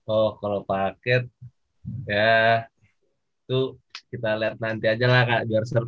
oh kalau paket ya itu kita lihat nanti aja lah kak georger